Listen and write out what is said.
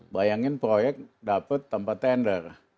bayangin proyek dapat tanpa tender